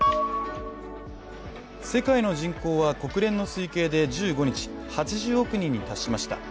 世界の人口は国連の推計で１５日８０億人に達しました。